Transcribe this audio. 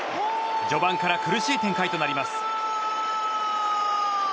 序盤から苦しい展開となります。